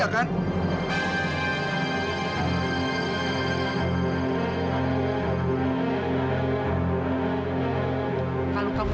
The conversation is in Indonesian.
kami nggak mau mempunyai ibu yang lo registers